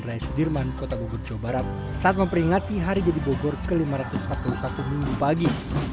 raya sudirman kota bogor jawa barat saat memperingati hari jadi bogor ke lima ratus empat puluh satu minggu pagi